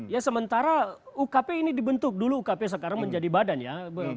ya sementara ukp ini dibentuk dulu ukp sekarang menjadi badan ya